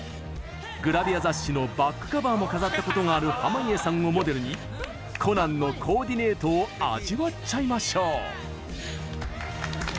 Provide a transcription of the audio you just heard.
グラビア雑誌のバックカバーも飾ったことがある濱家さんをモデルにコナンのコーディネートを味わっちゃいましょう。